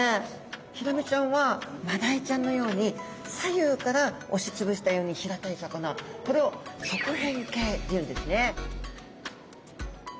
ヒラメちゃんはマダイちゃんのように左右から押し潰したように平たい魚これを側扁形というんですね。